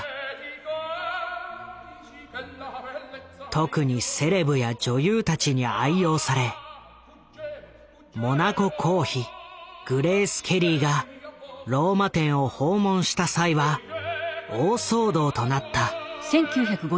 特にセレブや女優たちに愛用されモナコ公妃グレース・ケリーがローマ店を訪問した際は大騒動となった。